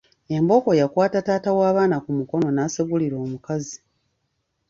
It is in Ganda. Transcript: Embooko yakwata taata w’abaana ku mukono n’asegulira omukazi.